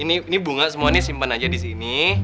ini bunga semua ini simpen aja disini